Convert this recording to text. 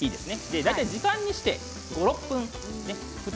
大体時間にして５、６、分。